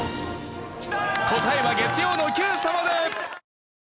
答えは月曜の『Ｑさま！！』で。